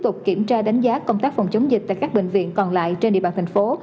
tục kiểm tra đánh giá công tác phòng chống dịch tại các bệnh viện còn lại trên địa bàn thành phố